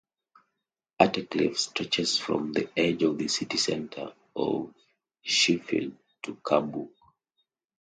Attercliffe stretches from the edge of the city centre of Sheffield to Carbrook.